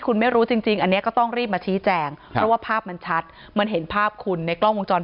คุณไม่รู้จริงอันนี้ก็ต้องรีบมาชี้แจงเพราะว่าภาพมันชัดมันเห็นภาพคุณในกล้องวงจร